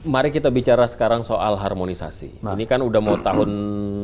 mari kita bicara sekarang soal harmonisasi ini kan udah mau tahun